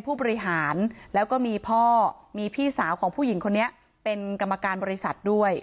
เพราะไม่มีเงินไปกินหรูอยู่สบายแบบสร้างภาพ